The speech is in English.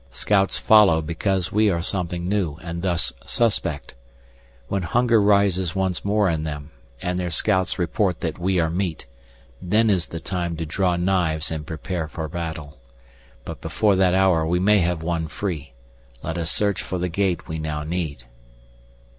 "Scouts follow because we are something new and thus suspect. When hunger rises once more in them, and their scouts report that we are meat, then is the time to draw knives and prepare for battle. But before that hour we may have won free. Let us search for the gate we now need."